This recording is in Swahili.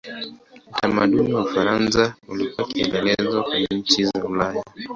Utamaduni wa Ufaransa ulikuwa kielelezo kwa nchi za Ulaya.